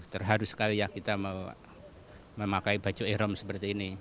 terharu sekali ya kita memakai baju irom seperti ini